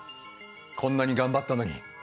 こんなに頑張ったのに。